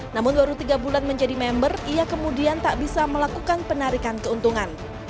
namun baru tiga bulan menjadi member ia kemudian tak bisa melakukan penarikan keuntungan